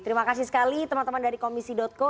terima kasih sekali teman teman dari komisi co